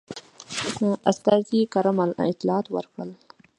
استازي کره اطلاعات ورکړل.